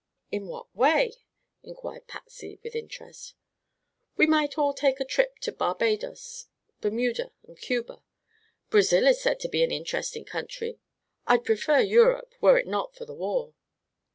"In what way?" inquired Patsy, with interest. "We might all make a trip to Barbadoes, Bermuda and Cuba. Brazil is said to be an interesting country. I'd prefer Europe, were it not for the war."